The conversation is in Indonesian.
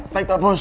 baik pak bos